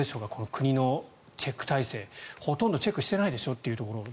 国のチェック体制ほとんどチェックしてないでしょと。